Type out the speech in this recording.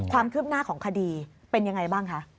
ความคืบหน้าของคดีเป็นยังไงบ้างคะ